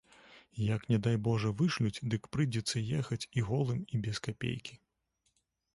Як не дай божа вышлюць, дык прыйдзецца ехаць і голым і без капейкі.